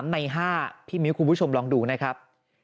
ใน๕พี่มิ้วคุณผู้ชมลองดูนะครับ